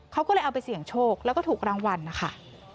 เขาก็เลยเอาไปเสี่ยงโชคแล้วก็ถูกรางวัลนะคะ